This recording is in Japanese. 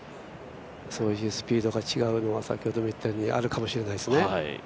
そういうスピードが違うのは先ほども言ったようにあるかもしれないですね。